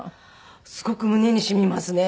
すごく胸に染みますね